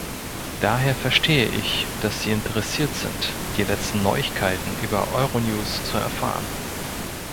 Daher verstehe ich, dass Sie interessiert sind, die letzten Neuigkeiten über Euronews zu erfahren.